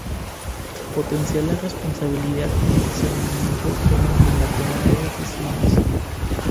Potenciar la responsabilidad y el discernimiento autónomo en la toma de decisiones.